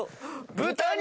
豚肉！